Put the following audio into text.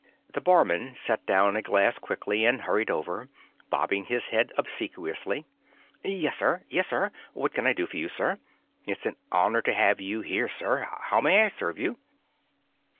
The barman set down a glass quickly and hurried over, bobbing his head obsequiously. "Yes, sir; yes, sir. What can I do for you, sir? It's an honor to have you here, sir. How may I serve you?"